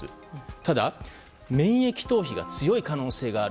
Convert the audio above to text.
ただ免疫逃避が強い可能性がある。